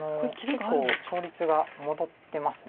結構勝率が戻ってます。